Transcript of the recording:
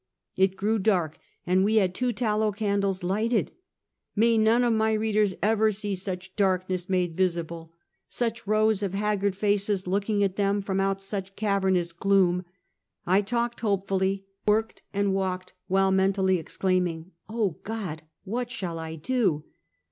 It grew dark, and we had two tallow candles lighted ! May none of my readers ever see such darkness made visible — such rows of haggard faces looking at them from out such cavernous gloom! I talked hopefully, worked and walked, while mentally exclaiming; " Oh, God ! What shall I do